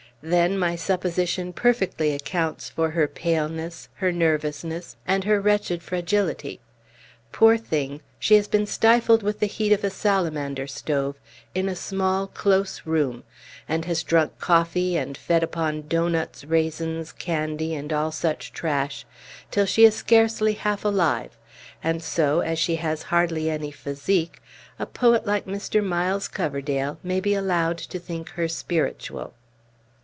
Then, my supposition perfectly accounts for her paleness, her nervousness, and her wretched fragility. Poor thing! She has been stifled with the heat of a salamander stove, in a small, close room, and has drunk coffee, and fed upon doughnuts, raisins, candy, and all such trash, till she is scarcely half alive; and so, as she has hardly any physique, a poet like Mr. Miles Coverdale may be allowed to think her spiritual."